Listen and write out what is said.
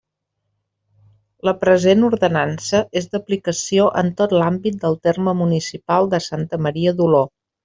La present Ordenança és d'aplicació en tot l'àmbit del terme municipal de Santa Maria d'Oló.